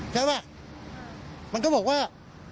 ใช่ป่ะมันก็บอกว่า